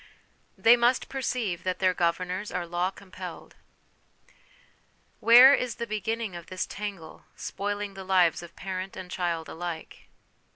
They must perceive that their Governors are Law compelled. Where is the beginning of this tangle, spoiling the lives of parent and child alike?